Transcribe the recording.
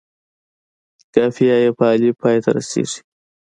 قافیه یې په الف پای ته رسيږي.